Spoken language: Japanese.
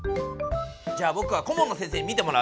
じゃあぼくは顧問の先生に見てもらう！